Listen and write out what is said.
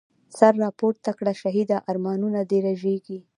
سر راپورته کړه شهیده، ارمانونه دي رژیږی